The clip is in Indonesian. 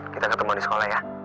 kita ketemu di sekolah ya